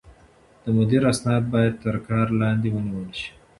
د مدير اسناد بايد تر کار لاندې ونيول شي.